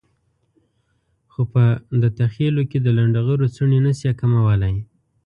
خو په دته خېلو کې د لنډغرو څڼې نشي کمولای.